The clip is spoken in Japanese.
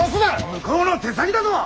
向こうの手先だぞ！